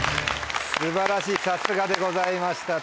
素晴らしいさすがでございました。